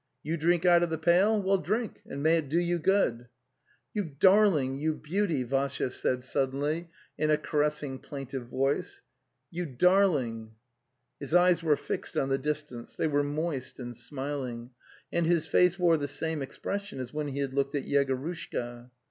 ... You drink out of the pail—vwell, drink, and may it do you POO. a "You darling, you beauty!' Vassya said sud deny, in' /'a)icanessing') plaintive) voice. 4.) wou darling!" His eyes were fixed on the distance; they were moist and smiling, and his face wore the same ex pression as when he had looked at Yegorushka.